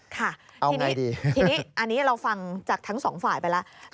ค่ะทีนี้อันนี้เราฟังจากทั้งสองฝ่ายไปแล้ว